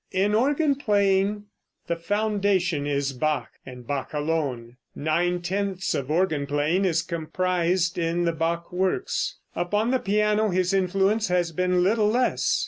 In organ playing the foundation is Bach, and Bach alone. Nine tenths of organ playing is comprised in the Bach works. Upon the piano his influence has been little less.